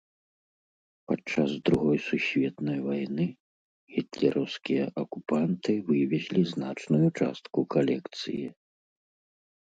Падчас другой сусветнай вайны гітлераўскія акупанты вывезлі значную частку калекцыі.